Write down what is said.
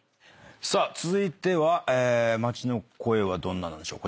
さあ続いては街の声はどんななんでしょう？